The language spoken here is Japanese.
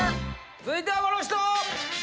続いてはこの人！